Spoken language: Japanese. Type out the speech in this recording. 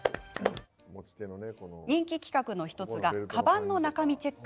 人気企画の１つがかばんの中身チェック。